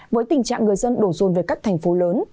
với tình trạng người dân đổ rồn về các thành phố lớn